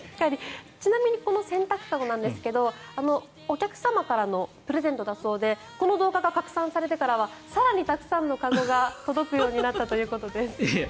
ちなみにこの洗濯籠なんですがお客様からのプレゼントだそうでこの動画が拡散されてからは更にたくさんの籠が届くようになったということです。